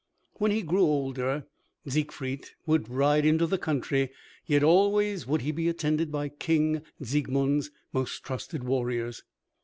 When he grew older, Siegfried would ride into the country, yet always would he be attended by King Siegmund's most trusted warriors.